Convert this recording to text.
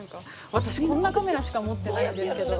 私、こんなカメラしか持ってないんですけど。